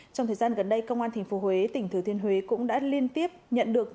trong thời gian gần đây công an tp huế tỉnh thừa thiên huế cũng đã liên tiếp nhận được